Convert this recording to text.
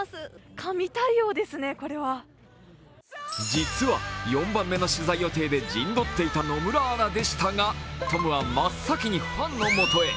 実は４番目の取材予定で陣取っていた野村アナでしたがトムは真っ先にファンのもとへ。